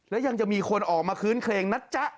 และยังจะมีคนออกมาคืนเคลงนะจ๊ะ